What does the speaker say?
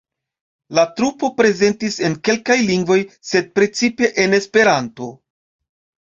La trupo prezentis en kelkaj lingvoj, sed precipe en Esperanto.